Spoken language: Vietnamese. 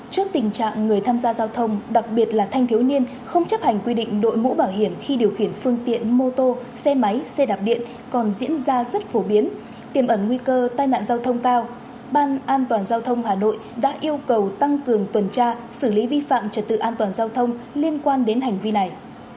trước tình trạng người tham gia giao thông đặc biệt là thanh thiếu niên không chấp hành quy định đội mũ bảo hiểm khi điều khiển phương tiện mô tô xe máy xe đạp điện còn diễn ra rất phổ biến tiềm ẩn nguy cơ tai nạn giao thông cao ban an toàn giao thông hà nội đã yêu cầu tăng cường tuần tra xử lý vi phạm trật tự an toàn giao thông liên quan đến hành vi này